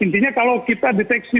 intinya kalau kita deteksi